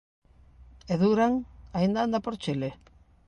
E Duran?, aínda anda por Chile?